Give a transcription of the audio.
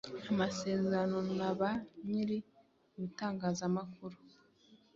amasezerano na ba nyiri ibitangazamakuru